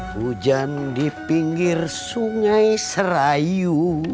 hujan di pinggir sungai serayu